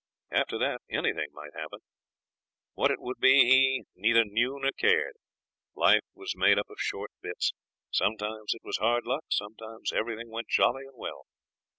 After that anything might happen. What it would be he neither knew nor cared. Life was made up of short bits; sometimes it was hard luck; sometimes everything went jolly and well.